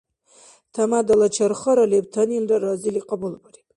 Тямадала чархара лебтанилра разили кьабулбариб.